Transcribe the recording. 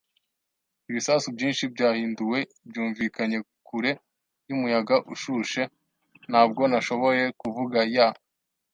ibisasu byinshi byahinduwe byumvikanye kure yumuyaga ushushe. Ntabwo nashoboye kuvuga, ya